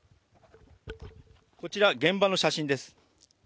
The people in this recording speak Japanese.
こちら現場の写真です。